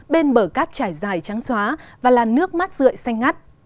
bên bờ cát trải dài trắng xóa và là nước mát rượi xanh ngắt